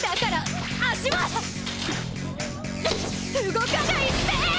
動かないって！